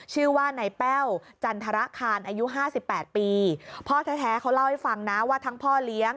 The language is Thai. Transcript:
ชื่อว่านายแป้วจันทระคานอายุ๕๘ปี